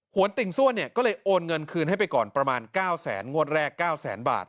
วนติ่งซั่วเนี่ยก็เลยโอนเงินคืนให้ไปก่อนประมาณ๙แสนงวดแรก๙แสนบาท